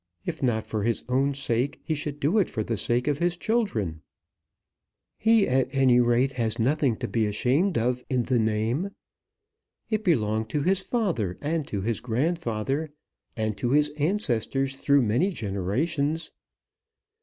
If not for his own sake, he should do it for the sake of his children. He at any rate has nothing to be ashamed of in the name. It belonged to his father and to his grandfather, and to his ancestors through many generations.